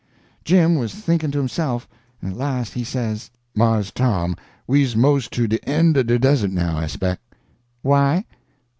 Jim was thinking to himself, and at last he says: "Mars Tom, we's mos' to de end er de Desert now, I speck." "Why?"